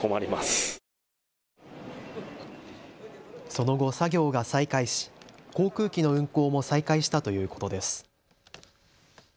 その後、作業が再開し航空機の運航も再開したということです。